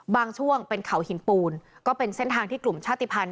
ช่วงเป็นเขาหินปูนก็เป็นเส้นทางที่กลุ่มชาติภัณฑ